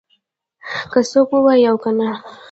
که څوک ووایي او کنه